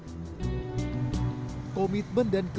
lebih dari itu koleksinya memotret berbagai pustaka